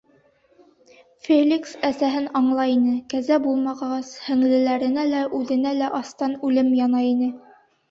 Феликс әсәһен аңлай ине, кәзә булмағас, һеңлеләренә лә, үҙенә лә астан үлем янай ине.